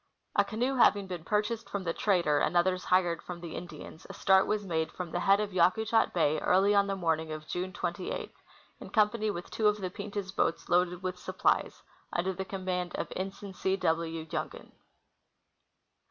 A canoe having been purchased from the trader and others hired from the Indians, a start was made from the head of Yakutat bay early on the morning of June 28, in company with two of the Pirdah boats loaded with supplies, under the com mand of Ensign C. W. Jungen.